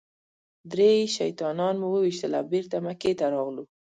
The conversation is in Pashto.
درې شیطانان مو وويشتل او بېرته مکې ته راغلو.